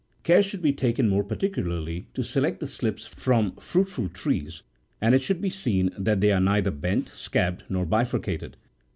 Care should be taken more particularly to select the slips from fruitful trees, and it should be seen that they are neither bent, scabbed, nor bifurcated.